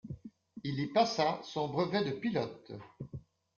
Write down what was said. Il y passa son brevet de pilote.